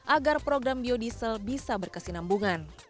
agar program biodiesel bisa berkesinambungan